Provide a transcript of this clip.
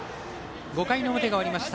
５回の表が終わりました。